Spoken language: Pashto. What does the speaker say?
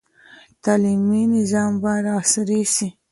تعلیمي نظام باید عصري سي.